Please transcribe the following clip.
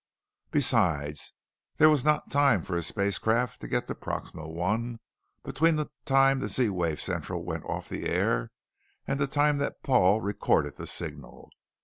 Besides, there was not time for a spacecraft to get to Proxima I between the time that Z wave Central went off the air and the time that Paul recorded the signal.